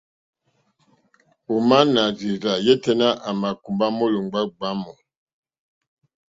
Ò má nà rzí rzâ yêténá à mà kùmbá mólòmbá gbǎmù.